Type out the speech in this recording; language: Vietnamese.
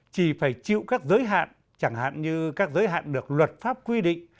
chỉ phải chịu các giới hạn chẳng hạn như các giới hạn được luật pháp quy định